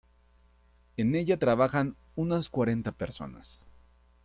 En ella trabajan unas cuarenta personas.